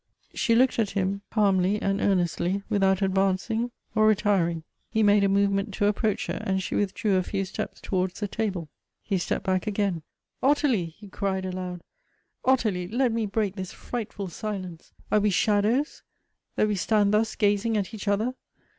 She looked at him calmly and earnestly, without advancing or retir ing. He made a movement to approach her, and she withdrew a few steps towards the table. He stepped back again. " Ottilie !" he cried aloud, " Ottilie ! let me break this frightful silence ! Are we shadows, that we stand thus gazing at each other